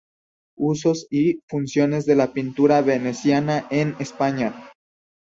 Usos y funciones de la pintura veneciana en España.